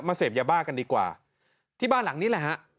เสพยาบ้ากันดีกว่าที่บ้านหลังนี้แหละฮะ